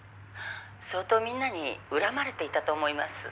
「相当みんなに恨まれていたと思います」